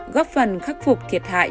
góp phần khắc phục thiệt hại